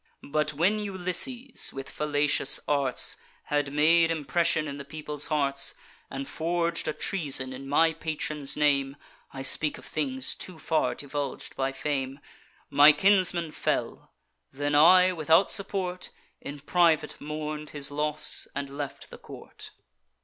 But when Ulysses, with fallacious arts, Had made impression in the people's hearts, And forg'd a treason in my patron's name (I speak of things too far divulg'd by fame), My kinsman fell. Then I, without support, In private mourn'd his loss, and left the court.